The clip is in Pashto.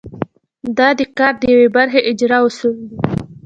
دا د کار د یوې برخې اجرا اصول دي.